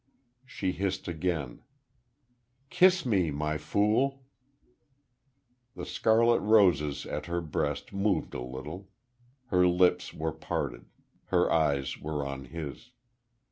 She hissed again: "Kiss me, My Fool!" The scarlet roses at her breast moved a little. Her lips were parted.... Her eyes were on his....